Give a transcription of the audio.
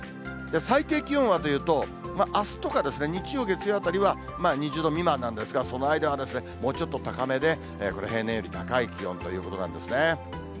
最低気温はというと、あすとか日曜、月曜あたりは２０度未満なんですが、その間はもうちょっと高めで、これ、平年より高い気温ということなんですね。